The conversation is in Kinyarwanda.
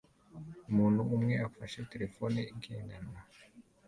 umuntu umwe afashe terefone igendanwa